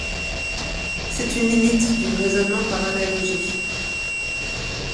C'est une limite du raisonnement par analogie.